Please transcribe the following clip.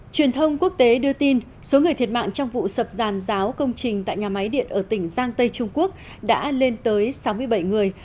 truyền thông quốc tế đưa tin số người thiệt mạng trong vụ sập giàn giáo công trình tại nhà máy điện ở tỉnh giang tây trung quốc đã lên tới sáu mươi bảy người